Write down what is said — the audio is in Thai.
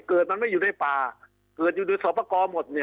เกิดมันไม่อยู่ในป่าเกิดอยู่ในสอบประกอบหมด